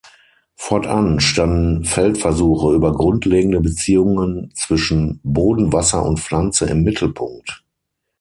Fortan standen Feldversuche über grundlegende Beziehungen zwischen Boden, Wasser und Pflanze im Mittelpunkt.